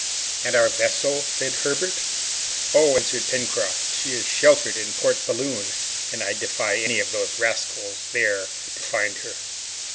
"And our vessel?" said Herbert. "Oh," answered Pencroft, "she is sheltered in Port Balloon, and I defy any of those rascals there to find her!"